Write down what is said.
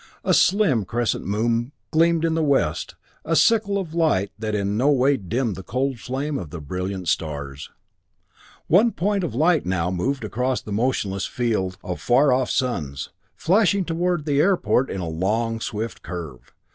A slim crescent of moon gleamed in the west, a sickle of light that in no way dimmed the cold flame of the brilliant stars. One point of light now moved across the motionless field of far off suns, flashing toward the airport in a long, swift curve.